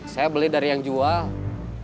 saya beli dari yang jual